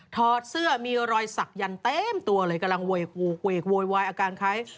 ทอดเสื้อมีรอยศักดิ์ยันเต็มตัวเลยกำลังเวกโว๊ยอาการใคร